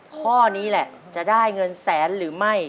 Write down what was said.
ข้อนี้แหละจะได้เงินแสนหรือไม่